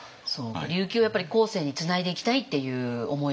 琉球をやっぱり後世につないでいきたいっていう思いが。